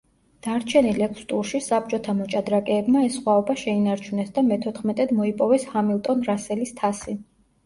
დარჩენილ ექვს ტურში საბჭოთა მოჭადრაკეებმა ეს სხვაობა შეინარჩუნეს და მეთოთხმეტედ მოიპოვეს ჰამილტონ-რასელის თასი.